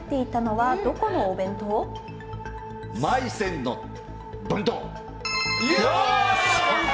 まい泉の弁当！